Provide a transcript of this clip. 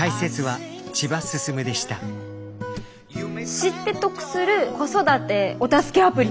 知って得する子育てお助けアプリ。